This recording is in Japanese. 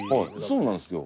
そうなんですよ。